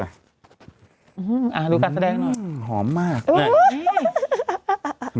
อ่าดูกัสสะแดงหน่อยอื้มหอมมากนี่แหละฮะฮะฮฮฮ